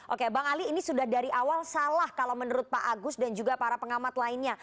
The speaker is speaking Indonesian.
oke bang ali ini sudah dari awal salah kalau menurut pak agus dan juga para pengamat lainnya